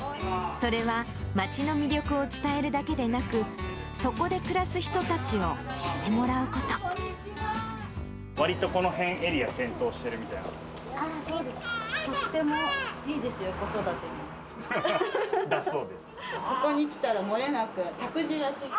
それは、町の魅力を伝えるだけでなく、そこで暮らす人たちを知ってもらわりとこの辺、エリア検討しそうですか。